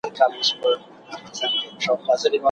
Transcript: آیا سهارنۍ تر نورو خواړو مهمه ده؟